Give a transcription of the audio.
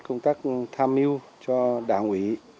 công tác tham mưu cho đảng ủy